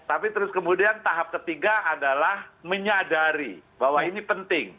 tapi terus kemudian tahap ketiga adalah menyadari bahwa ini penting